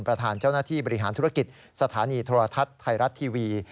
ประธานเจ้าหน้าที่บริหารธุรกิจสถานีโทรทัศน์ไทยรัฐทีวี